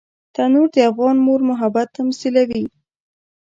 تنور د افغان مور محبت تمثیلوي